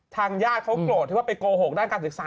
ทางญ่าเขากลัวไม่แปลงไปโกหกด้านการศึกษา